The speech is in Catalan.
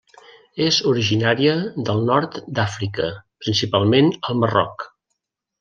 És originària del Nord d'Àfrica, principalment al Marroc.